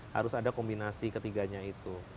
harus ada kombinasi ketiganya itu